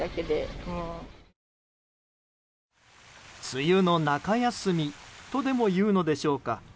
梅雨の中休みとでもいうのでしょうか。